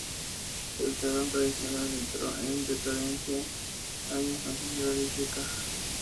El salón tradicional entró en decadencia años antes de la ley seca.